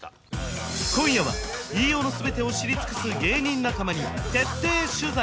今夜は飯尾の全てを知り尽くす芸人仲間に徹底取材